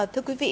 thưa quý vị